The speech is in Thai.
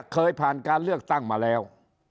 เคยผ่านการเลือกตั้งมาแล้ว